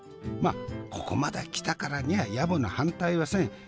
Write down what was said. まあここまで来たからにはやぼな反対はせん。